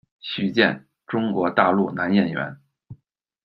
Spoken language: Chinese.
徐箭，中国大陆男演员。